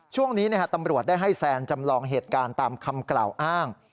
ช่วงนี้ตำรวจได้ให้แซนจำลองเหตุการณ์ตามคำกล่าวอ้าง